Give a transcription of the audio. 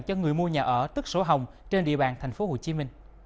cho người mua nhà ở tức sổ hồng trên địa bàn tp hcm